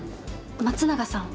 松永さん